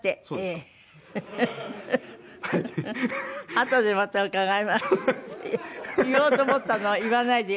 あとでまた伺いますって言おうと思ったのを言わないで。